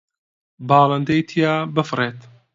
باڵندەی تیا بفڕێت